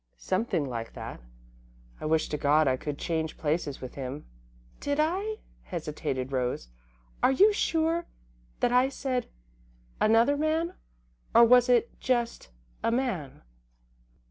"Something like that. I wish to God I could change places with him." "Did I," hesitated Rose, "are you sure that I said another man, or was it just a man?"